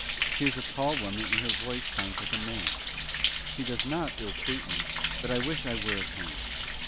She is a tall woman, and her voice sounds like a man's. She does not ill treat me, but I wish I were at home.